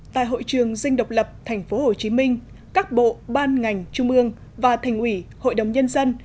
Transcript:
tại hội trường dinh độc lập tp hcm các bộ ban ngành trung ương và thành ủy hội đồng nhân dân